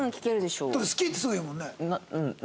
だって「好き」ってすぐ言うもんね。